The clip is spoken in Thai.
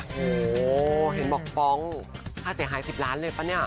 โอ้โหเห็นบอกฟ้องค่าเสียหาย๑๐ล้านเลยปะเนี่ย